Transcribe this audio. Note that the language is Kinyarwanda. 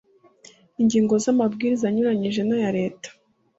ingingo z amabwiriza anyuranyije n aya leta